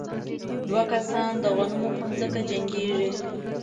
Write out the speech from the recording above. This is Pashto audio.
دوه کسان د غنمو په ځمکه جنګېږي.